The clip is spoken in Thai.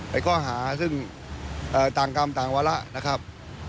ข้อหาซึ่งต่างกรรมต่างวาระนะครับ